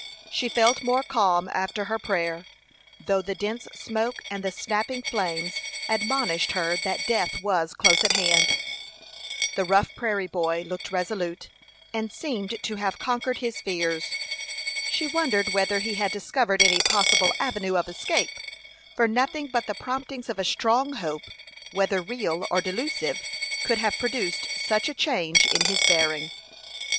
She felt more calm after her prayer, though the dense smoke and the snapping flames admonished her that death was close at hand. The rough prairie boy looked resolute, and seemed to have conquered his fears. She wondered whether he had discovered any possible avenue of escape, for nothing but the promptings of a strong hope, whether real or delusive, could have produced such a change in his bearing.